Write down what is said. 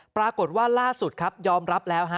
ปรากฏว่าล่าสุดครับยอมรับแล้วฮะ